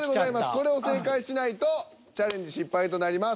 これを正解しないとチャレンジ失敗となります。